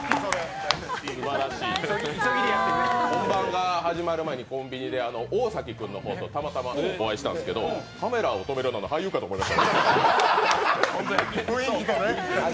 本番が始まる前にコンビニで大崎君の方とたまたまお会いしたんですけれども、「カメラを止めるな！」の俳優かと思いました。